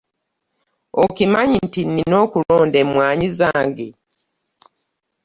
Okimanyi nti nina okulonda emwanyi zange.